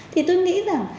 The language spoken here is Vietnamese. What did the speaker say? thì tôi nghĩ rằng